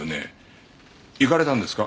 行かれたんですか？